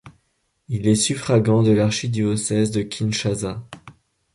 Il est suffragant de l’archidiocèse de Kinshasa.